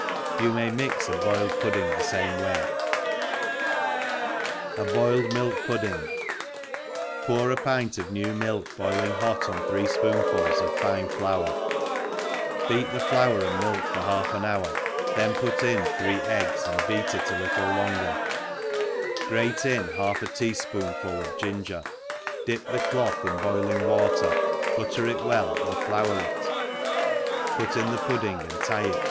— ^Yqiji QV^y Tti\% a boiled pudding the fame POU]RL a pint of new milk boiling hot on three fpponfuls of fine ilour, beat the flour and milk for half an Ijiour^ then put in three eggs ami }>eat it a litde longer, grafe in half a tea fpoonful of ginger^ dip the cl^h ^n boiling water, butter ^t well, and flour it. put in 'the pudding and tie it.